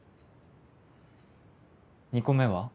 ２個目は？